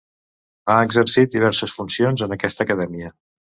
Ha exercit diverses funcions en aquesta acadèmia.